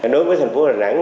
đối với thành phố hà nẵng